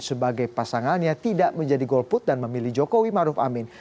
sebagai pasangannya tidak menjadi golput dan memilih jokowi maruf amin